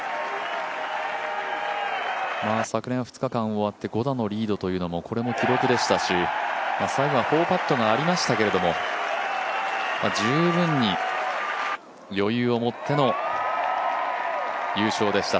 昨年は２日間終わって５打のリードというのもこれも記録でしたし、最後は４パットがありましたけど十分に余裕を持っての優勝でした。